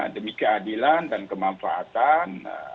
demi keadilan dan kemanfaatan